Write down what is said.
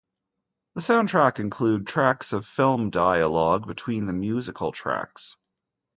The soundtrack includes tracks of film dialogue between the musical tracks.